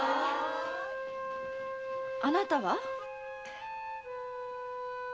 あなたは？